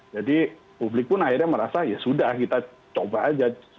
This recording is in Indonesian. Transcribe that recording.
jadi publik pun akhirnya merasa ya sudah kita coba aja